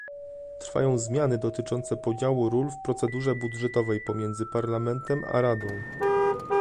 Trwają zmiany dotyczące podziału ról w procedurze budżetowej pomiędzy Parlamentem a Radą